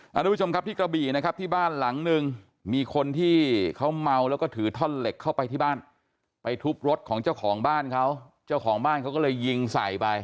ทุกผู้ชมครับที่กระบี่นะครับที่บ้านหลังนึงมีคนที่เขาเมาแล้วก็ถือท่อนเหล็กเข้าไปที่บ้านไปทุบรถของเจ้าของบ้านเขาเจ้าของบ้านเขาก็เลยยิงใส่ไป